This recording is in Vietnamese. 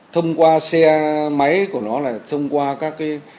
thông qua xe máy của nó là thông qua các cái